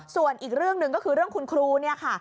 ส่วนอีกเรื่องหนึ่งก็คือเรื่องคุณครูเนี่ยค่ะ